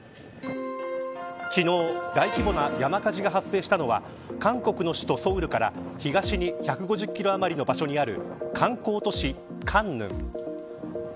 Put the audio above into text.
昨日、大規模な山火事が発生したのは韓国の首都ソウルから東に１５０キロ余りの場所にある観光都市、江陵。